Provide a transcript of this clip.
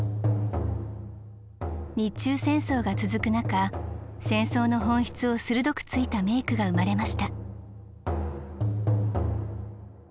日中戦争が続く中戦争の本質を鋭く突いた名句が生まれました。